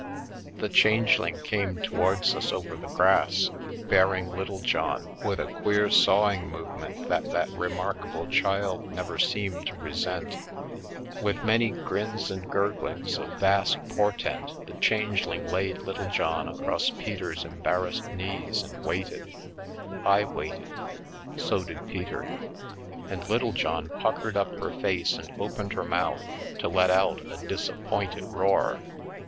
The Changeling came towards us over the grass, bear ing Littlejohn with a queer, sawing movement that that remarkable child never seemed to resent. With many grins and gurglings of vast portent the Changeling laid Littlejohn across Peter's embarrassed knees and waited. I waited. So did Peter. And Littlejohn puckered up her face and opened her mouth to let out a disappointed roar.